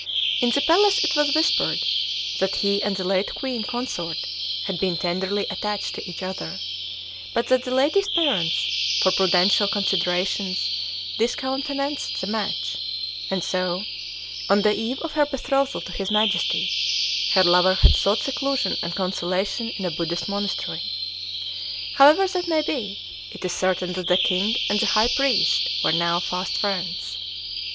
In the palace it was whispered that he and the late queen consort had been tenderly attached to each other, but that the lady's parents, for prudential considerations, discountenanced the match; "and so," on the eve of her betrothal to his Majesty, her lover had sought seclusion and consolation in a Buddhist monastery. However that may be, it is certain that the king and the high priest were now fast friends.